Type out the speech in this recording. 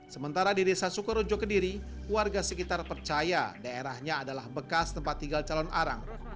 sementara di desa sukorojo kediri warga sekitar percaya daerahnya adalah bekas tempat tinggal calon arang